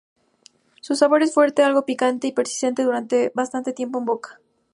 Su sabor es fuerte y algo picante y persiste durante bastante tiempo en boca.